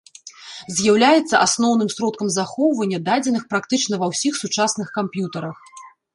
З'яўляецца асноўным сродкам захоўвання дадзеных практычна ва ўсіх сучасных камп'ютарах.